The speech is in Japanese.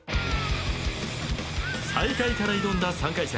最下位から挑んだ３回戦。